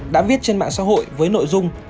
đã viết trên mạng xã hội với nội dung